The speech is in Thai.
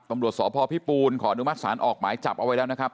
ตรวจสอบพ่อพี่ปูนขอดูมัสสารออกหมายจับเอาไว้แล้วนะครับ